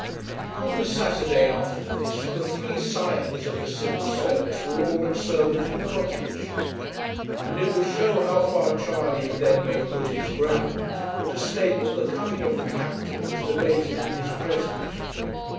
On the Saturday after this the three scions of the Civil Service were all at Surbiton Cottage, and it will show how far Charley had then made good his ground, to state that the coming of the captain was debated in his presence.